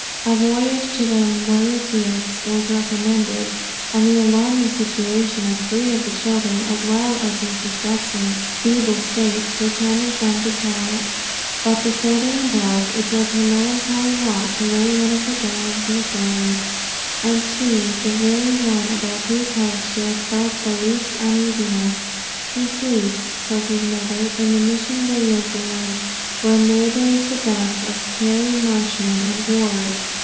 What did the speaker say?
A voyage to the Mauritius was recommended, and the alarming situation of three of the children, as well as Mrs. Judson's feeble state, determined them to try it. But before they embarked, it was her melancholy lot to lay one of her darlings in the grave, and he, the very one about whose health she had felt the least uneasiness. He sleeps, says his mother, in the mission burial ground, where moulders the dust of Carey, Marshman and Ward.